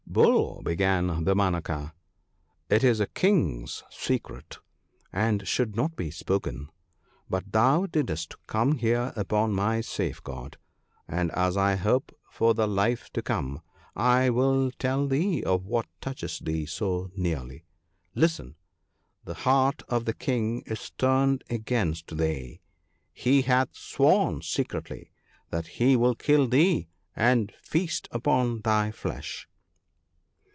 ' Bull,' began Damanaka, 'it is a King's secret, and 84 THE BOOK OF GOOD COUNSELS. should not be spoken ; but thou didst come here upon my safeguard, and as I hope for the life to come ( 70 ), I will tell thee of what touches thee so nearly. Listen !— the heart of the King is turned against thee ! he hath sworn secretly that he will kill thee and feast upon thy flesh.'